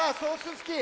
スキー。